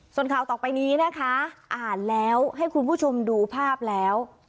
ส่วนข่าวต่อไปนี้นะคะอ่านแล้วให้คุณผู้ชมดูภาพแล้ว